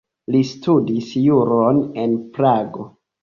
Li studis juron en Prago.